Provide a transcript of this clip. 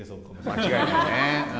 間違いないね。